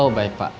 oh baik pak